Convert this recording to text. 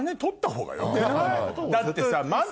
だってさ。